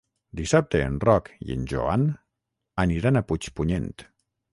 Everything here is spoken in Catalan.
Dissabte en Roc i en Joan aniran a Puigpunyent.